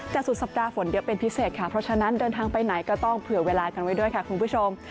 แต่สุดสัปดาห์ฝนเยอะเป็นพิเศษค่ะเพราะฉะนั้นเดินทางไปไหนก็ต้องเผื่อเวลากันไว้ด้วยค่ะคุณผู้ชม